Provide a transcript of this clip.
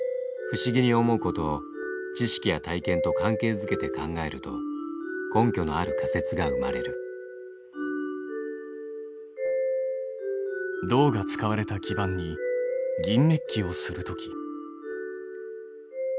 不思議に思うことを知識や体験と関係づけて考えると根拠のある仮説が生まれる銅が使われた基板に銀メッキをするとき。